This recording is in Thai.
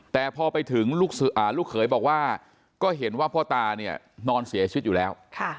แต่พอไปถึงลูกเขยบอกว่าก็เห็นว่าพ่อตาเนี่ยนอนเสียชีวิตอยู่แล้ว